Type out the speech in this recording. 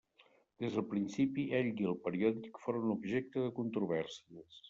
Des del principi, ell i el periòdic foren objecte de controvèrsies.